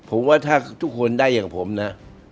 ผมว่าถ้าทุกคนได้อย่างผมนะ